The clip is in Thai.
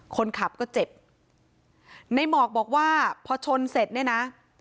คนขับก็เจ็บในหมอกบอกว่าพอชนเสร็จเนี่ยนะ